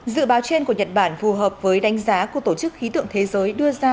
dự báo trên của nhật bản phù hợp với đánh giá của tổ chức khí tượng thế giới đưa ra